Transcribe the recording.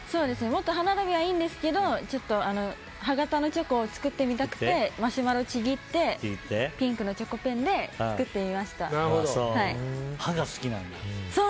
もっと歯並びはいいんですけど歯形のチョコを作ってみたくてマシュマロをちぎってピンクのチョコペンで歯が好きなんだ。